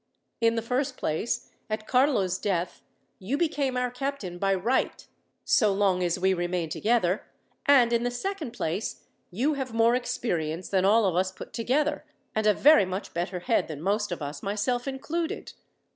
In the first place, at Carlo's death you became our captain by right, so long as we remain together; and in the second place you have more experience than all of us put together, and a very much better head than most of us, myself included.